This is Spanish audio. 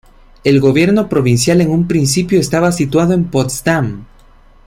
El gobierno provincial en un principio estaba situado en Potsdam.